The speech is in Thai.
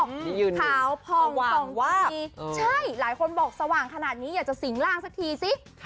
ขาวพองพองชิหลายคนบอกสว่างขนาดนี้อย่าสิงฉลากซักทีซิ